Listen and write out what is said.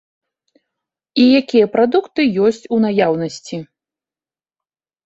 І якія прадукты ёсць у наяўнасці.